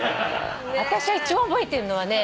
あたしは一番覚えてるのはね